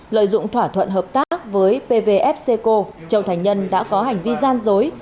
lợi dụng thỏa thuận hợp tác với pvfc châu thành nhân đã có hành vi gian dối